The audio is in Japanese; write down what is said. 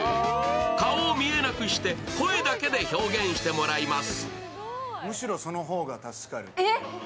顔を見えなくして声だけで表現してもらいます。